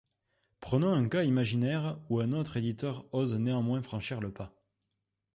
Prenons un cas imaginaire où un autre éditeur ose néanmoins franchir le pas.